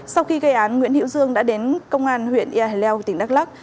sau khi gây án nguyễn hiễu dương đã đến công an huyện ea hờ leo tỉnh đắk lắc